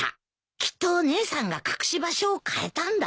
きっと姉さんが隠し場所を変えたんだ。